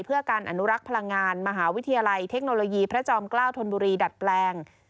เพื่อการอนุรักษ์พลังงานมหาวิทยาลัยเทคโนโลยีพระจอมเกล้าธนบุรีดัดแปลง